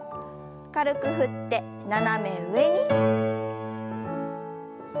軽く振って斜め上に。